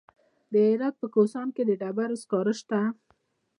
د هرات په کهسان کې د ډبرو سکاره شته.